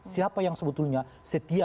siapa yang sebetulnya setia